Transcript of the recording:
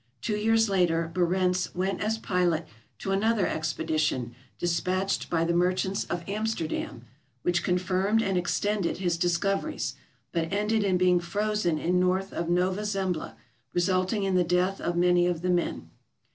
Two years later Barentz went as pilot to another expedition, despatched by the merchants of Amsterdam, which confirmed and extended his discoveries, but ended in being frozen in north of Nova Zembla, resulting in the death of many of the men.